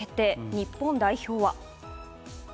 日本代表は？